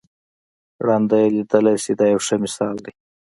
ړانده یې لیدلای شي دا یو ښه مثال دی.